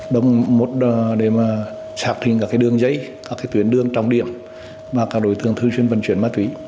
công an nghệ an đã phát triển ra đường dây đường trọng điểm và đối tượng thư chuyên vận chuyển ma túy